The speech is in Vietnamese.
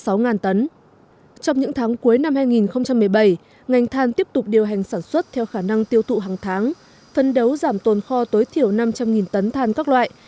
trong những tháng cuối năm hai nghìn một mươi bảy ngành than tiếp tục điều hành sản xuất theo khả năng tiêu thụ hàng tháng phân đấu giảm tồn kho tối thiểu năm trăm linh tấn than các loại